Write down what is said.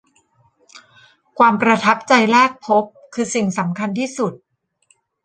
ความประทับใจแรกพบคือสิ่งสำคัญที่สุด